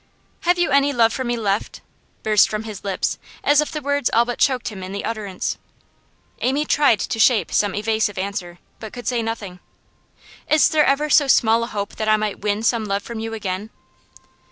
'Have you any love for me left?' burst from his lips, as if the words all but choked him in the utterance. Amy tried to shape some evasive answer, but could say nothing. 'Is there ever so small a hope that I might win some love from you again?